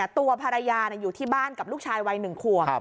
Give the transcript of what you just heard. ตัวภรรยาอยู่ที่บ้านกับลูกชายวัย๑ขวบ